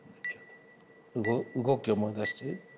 動き思い出して。